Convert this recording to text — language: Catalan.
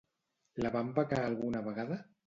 La van becar alguna vegada?